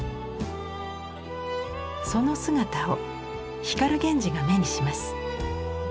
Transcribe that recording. その姿を光源氏が目にします。